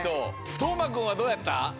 とうまくんはどうやった？